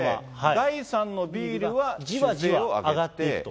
第３のビールはじわじわ上がっていくと。